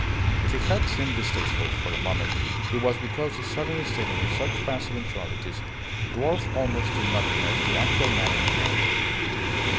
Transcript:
If it had seemed distasteful for a moment it was because the sudden statement of such vast eventualities dwarfed almost to nothingness the actual matter in hand.